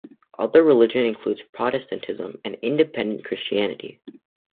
Other religion includes Protestantism and Independent Christianity.